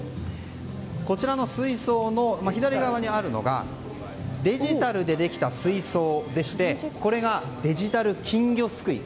こちらの水槽の左側にあるのがデジタルでできた水槽でしてこれが、デジタル金魚すくい。